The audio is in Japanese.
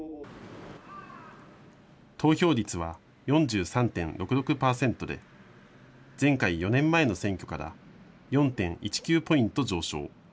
投票率は４３．６６％で前回４年前の選挙から４．１９ポイント上昇。